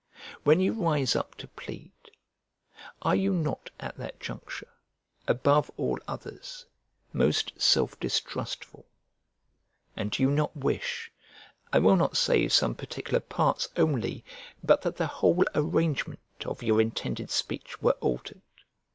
When you rise up to plead, are you not at that juncture, above all others, most self distrustful? and do you not wish, I will not say some particular parts only, but that the whole arrangement of your intended speech were altered?